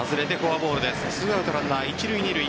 ２アウトランナー一塁・二塁。